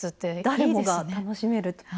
誰もが楽しめると。